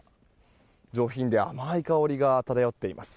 上品で甘い香りが漂っています。